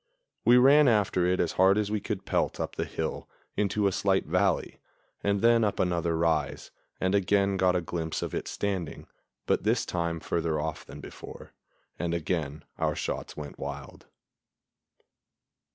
We ran after it as hard as we could pelt up the hill, into a slight valley, and then up another rise, and again got a glimpse of it standing, but this time further off than before; and again our shots went wild.